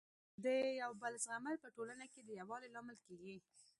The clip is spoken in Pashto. د یو بل زغمل په ټولنه کي د يووالي لامل کيږي.